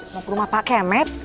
mau ke rumah pak kemet